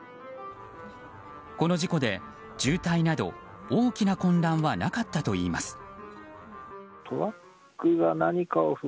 この事故で、渋滞など大きな混乱はなかったといます。